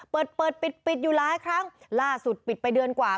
เปิดเปิดปิดปิดอยู่หลายครั้งล่าสุดปิดไปเดือนกว่า